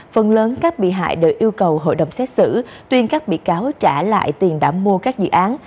phần lớn các bị hại đều yêu cầu hội đồng xét xử tuyên các bị cáo trả lại tiền đã mua các dự án